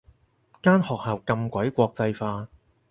間學校咁鬼國際化